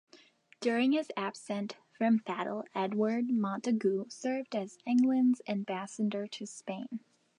During his absence from battle Edward Montagu served as England's ambassador to Spain.